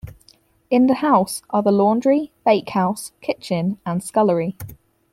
In the house are the laundry, bakehouse, kitchen and scullery.